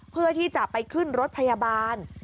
เพื่อที่จะไปขึ้นรถพยาบาล